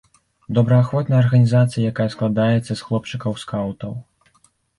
Добраахвотная арганізацыя, якая складаецца з хлопчыкаў-скаўтаў.